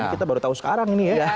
kita baru tahu sekarang ini ya